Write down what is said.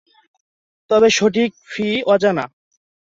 তবে সঠিক ফী অজানা।